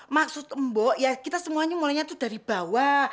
maksud mbok ya kita semuanya mulainya itu dari bawah